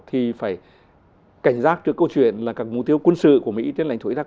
thì phải cảnh giác trước câu chuyện là các mục tiêu quân sự của mỹ trên lãnh thổ iraq